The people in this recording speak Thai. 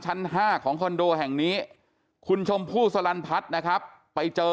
ชั้น๕ของคอนโดแห่งนี้คุณชมพู่สลันพัฒน์นะครับไปเจอ